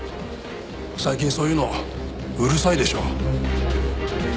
最近そういうのうるさいでしょ。